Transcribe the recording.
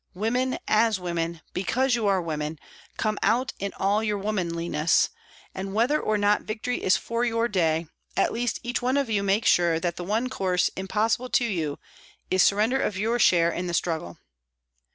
Women, as women, because you are women, come out in all your womanliness, and whether or not victory is for your day, at least each one of you make sure that the one course impossible to you is sur render of your share in the struggle."